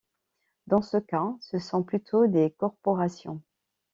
Dans ce cas, ce sont plutôt des corporations.